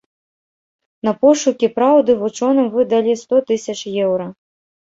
На пошукі праўды вучоным выдалі сто тысяч еўра.